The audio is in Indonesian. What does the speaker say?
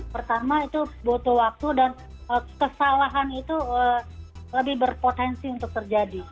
pertama itu butuh waktu dan kesalahan itu lebih berpotensi untuk terjadi